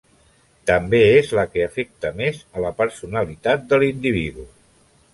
També és la que afecta més a la personalitat de l'individu.